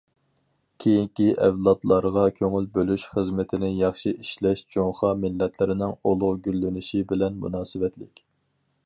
كېيىنكى ئەۋلادلارغا كۆڭۈل بۆلۈش خىزمىتىنى ياخشى ئىشلەش جۇڭخۇا مىللەتلىرىنىڭ ئۇلۇغ گۈللىنىشى بىلەن مۇناسىۋەتلىك.